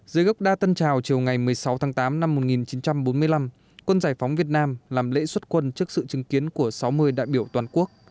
dưới gốc đa tân trào chiều ngày một mươi sáu tháng tám năm một nghìn chín trăm bốn mươi năm quân giải phóng việt nam làm lễ xuất quân trước sự chứng kiến của sáu mươi đại biểu toàn quốc